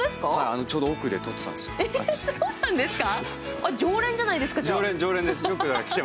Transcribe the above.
ちょうど奥で撮ってたんです、あっちで。